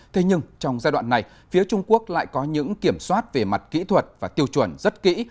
thế nhưng trong giai đoạn này phía trung quốc lại có những kiểm soát về mặt kỹ thuật và tiêu chuẩn rất kỹ